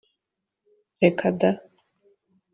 reka da!